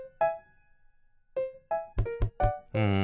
うん。